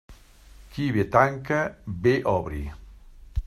Qui bé tanca, bé obri.